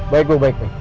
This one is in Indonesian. baik bu baik